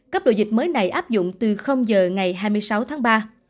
cấp đồ dịch mới này áp dụng từ giờ ngày hai mươi sáu tháng ba